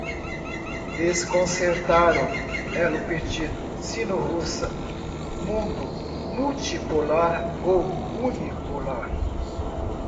Desconcertaram, elo perdido, sino-russa, mundo multipolar ou unipolar